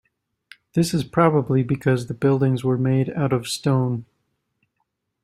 This is probably because the buildings were made out of stone.